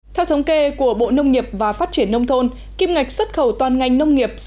theo thống kê của bộ nông nghiệp và phát triển nông thôn kim ngạch xuất khẩu toàn ngành nông nghiệp